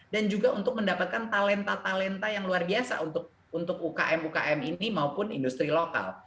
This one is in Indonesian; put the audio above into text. dan juga untuk mendapatkan talenta talenta yang luar biasa untuk umkm umkm ini maupun industri lokal